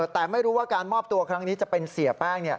แต่ไม่รู้ว่าการมอบตัวครั้งนี้จะเป็นเสียแป้ง